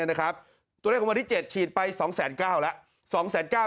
ตัวเลขของวันที่๗ฉีดไป๒๙๐๐แล้ว